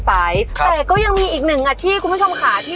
แต่ก็ยังมีอีกหนึ่งอาชีพคุณผู้ชมค่ะที่